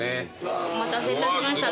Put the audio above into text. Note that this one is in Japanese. お待たせいたしました。